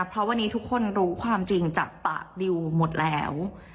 เพราะวันนี้ทุกคนรู้ความจริงจากปากดิวหมดแล้ว